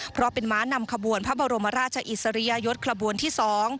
เป็นม้านำขบวนพระบรมราชอิทสะเรียยศขบวนที่๒